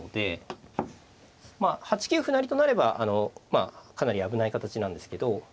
まあ８九歩成となればかなり危ない形なんですけど。